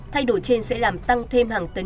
thay đổi trên sẽ làm tăng thêm hàng tấn